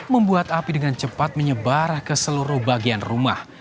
membuat api dengan cepat menyebar ke seluruh bagian rumah